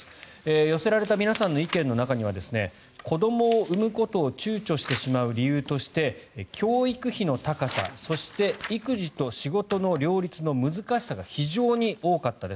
寄せられた皆さんの意見の中には子どもを産むことを躊躇してしまう理由として教育費の高さそして育児と仕事の両立の難しさが非常に多かったです。